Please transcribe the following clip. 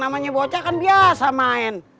namanya bocah kan biasa main